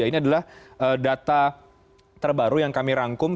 ini adalah data terbaru yang kami rangkum